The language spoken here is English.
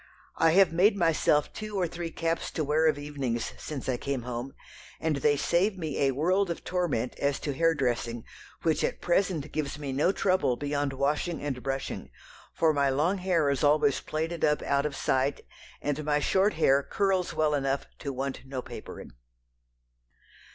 I have made myself two or three caps to wear of evenings since I came home, and they save me a world of torment as to hair dressing, which at present gives me no trouble beyond washing and brushing, for my long hair is always plaited up out of sight, and my short hair curls well enough to want no papering."